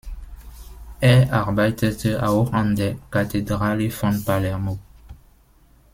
Er arbeitete auch an der Kathedrale von Palermo.